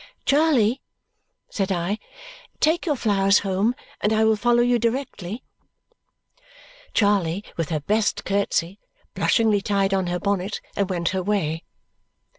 "Charley," said I, "take your flowers home, and I will follow you directly." Charley, with her best curtsy, blushingly tied on her bonnet and went her way.